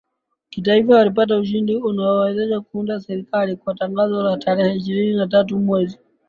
kitaifa walipata ushindi uliowawezesha kuunda serikali kwa tangazo la tarehe ishirini na tatu mwezi